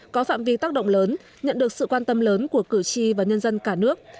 có phạm vi tác động lớn nhận được sự quan tâm lớn của cử tri và nhân dân cả nước